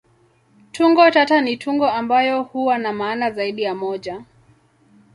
Tungo tata ni tungo ambayo huwa na maana zaidi ya moja.